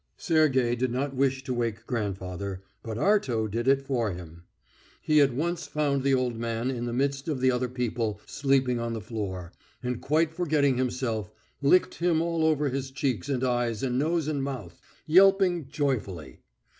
Sergey did not wish to wake grandfather, but Arto did it for him. He at once found the old man in the midst of the other people sleeping on the floor, and quite forgetting himself, licked him all over his cheeks and eyes and nose and mouth, yelping joyfully.